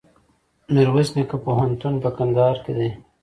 میرویس نیکه پوهنتون په کندهار کي دی.